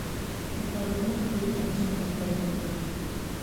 په پارلمان کې یې چا ملاتړ ونه کړ.